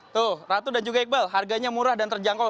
tuh ratu dan juga iqbal harganya murah dan terjangkau